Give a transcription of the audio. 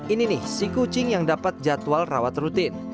ini nih si kucing yang dapat jadwal rawat rutin